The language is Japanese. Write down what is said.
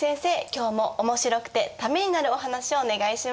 今日もおもしろくてためになるお話をお願いします。